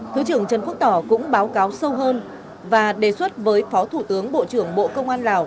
thứ trưởng trần quốc tỏ cũng báo cáo sâu hơn và đề xuất với phó thủ tướng bộ trưởng bộ công an lào